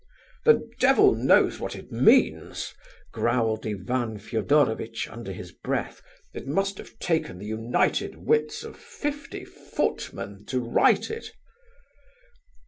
"The devil knows what it means," growled Ivan Fedorovitch, under his breath; "it must have taken the united wits of fifty footmen to write it."